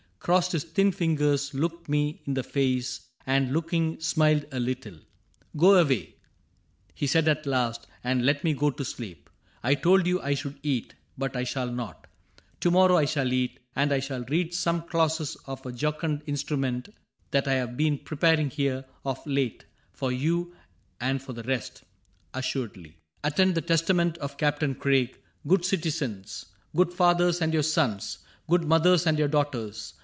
Crossed his thin fingers, looked me in the face, And looking smiled a little. ^^ Go away," He said at last, ^^ and let me go to sleep. I told you I should eat, but I shall not. To morrow I shall eat ; and I shall read Some clauses of a jocund instrument That I have been preparing here of late For you and for the rest, assuredly. 54 CAPTAIN CRAIG ^ Attend the testament of Captain Craig : Good citizens, good fathers and your sons. Good mothers and your daughters.'